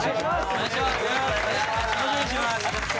お願いします！